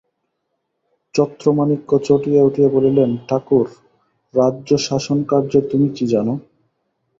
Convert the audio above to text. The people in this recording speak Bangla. ছত্রমাণিক্য চটিয়া উঠিয়া বলিলেন, ঠাকুর, রাজ্যশাসনকার্যের তুমি কী জানো?